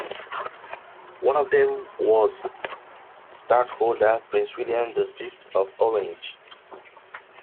One of them was stadtholder-prince William the Fifth of Orange.